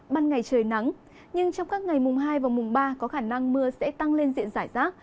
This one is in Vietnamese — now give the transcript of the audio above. ban ngày trời nắng nhưng trong các ngày mùng hai và mùng ba có khả năng mưa sẽ tăng lên diện giải rác